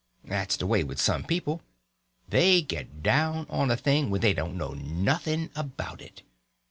That is just the way with some people. They get down on a thing when they don't know nothing about it.